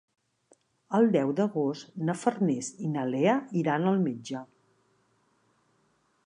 El deu d'agost na Farners i na Lea iran al metge.